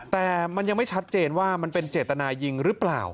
แต่มันยังไม่ชัดเจนว่ามันเป็นเจตนายิงหรือเปล่า